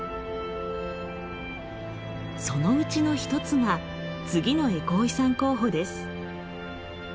そのうちの一つが次のエコー遺産候補です。